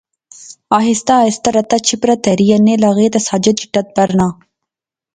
آہستہ آہستہ رتا چھپرا تہری اینے لاغی تہ ساجد چٹا پرنا